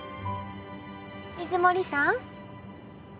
水森さん